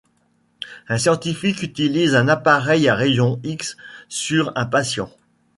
Un scientifique utilise un appareil à rayons X sur un patient.